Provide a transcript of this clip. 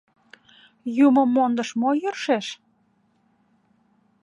Юмо мондыш мо йӧршеш?